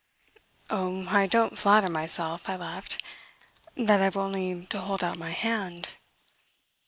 "Oh, I don't flatter myself," I laughed, "that I've only to hold out my hand!